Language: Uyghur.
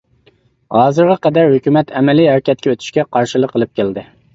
ھازىرغا قەدەر ھۆكۈمەت ئەمەلىي ھەرىكەتكە ئۆتۈشكە قارشىلىق قىلىپ كەلدى.